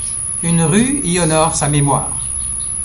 Une rue y honore sa mémoire.